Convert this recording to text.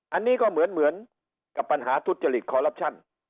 อันนี้ก็เหมือนกับปัญหาทุจริตคอลลับชั่น